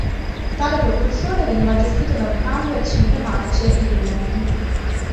Tale propulsore veniva gestito da un cambio a cinque marce Hewland.